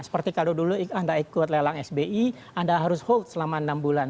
seperti kalau dulu anda ikut lelang sbi anda harus hold selama enam bulan